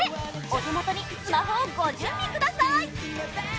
お手元にスマホをご準備ください